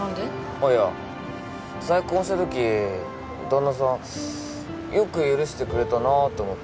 あっいや再婚したとき旦那さんよく許してくれたなと思って。